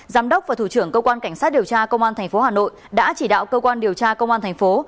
giám đốc và thủ trưởng cơ quan cảnh sát điều tra công an thành phố hà nội đã chỉ đạo cơ quan điều tra công an thành phố